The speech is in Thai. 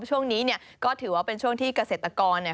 ช่วงนี้เนี่ยก็ถือว่าเป็นช่วงที่เกษตรกรเนี่ย